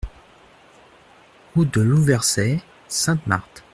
Route de Louversey, Sainte-Marthe